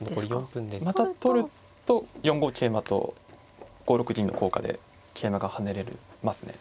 また取ると４五桂馬と５六銀の効果で桂馬が跳ねれますね。